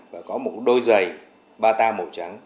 và có một đôi giày ba mươi tám cm